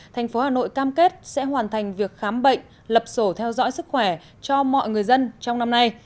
thành phố hà nội cam kết sẽ hoàn thành việc khám bệnh lập sổ theo dõi sức khỏe cho mọi người dân trong năm nay